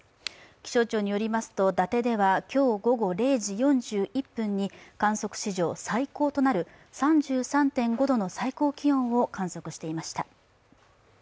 気象庁によりますと、伊達では今日午後０時４１分に観測史上最高となる３３．５度の最高気温を観測していました。